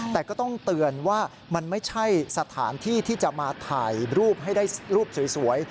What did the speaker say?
แต่ก็ต้องเตือนว่ามันไม่ใช่สถานที่ที่จะมาถ่ายรูปให้ได้รูปสวย